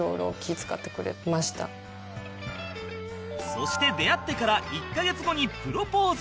そして出会ってから１カ月後にプロポーズ